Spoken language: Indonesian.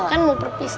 kan mau perpisah